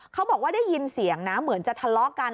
เขาบอกว่าได้ยินเสียงนะเหมือนจะทะเลาะกัน